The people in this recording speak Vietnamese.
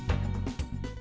sống bình yên